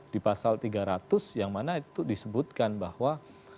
di pasal tiga ratus yang mana itu disebutkan bahwa